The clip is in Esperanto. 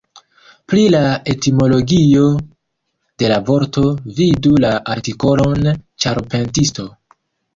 Pri la etimologio de la vorto vidu la artikolon "ĉarpentisto".